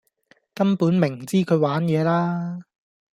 根本明知她玩野啦.....